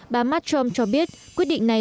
bà mastrom cho biết quyết định này